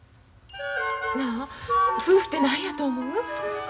なあ夫婦て何やと思う？